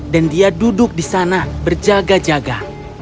dan dia duduk di sana berjaga jaga